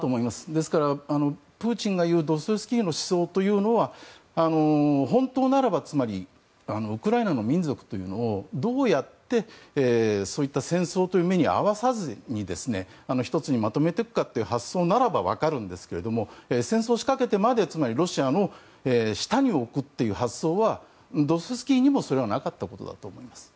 ですから、プーチンが言うドストエフスキーの思想というのは、本当ならばウクライナの民族をどうやって、戦争という目に遭わさずに１つにまとめていくかという発想ならば分かるんですが戦争を仕掛けてまで、つまりロシアの下に置くという発想はドストエフスキーにもそれはなかったと思います。